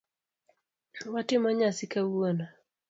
Watimo nyasi kawuono.